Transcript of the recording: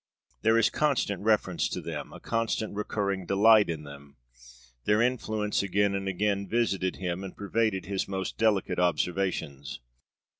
There is constant reference to them, a constant recurring delight in them. Their influence again and again visited him and pervaded his most delicate observations.